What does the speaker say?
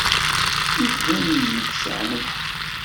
Yettban-iyi-d tesɛam lḥeqq.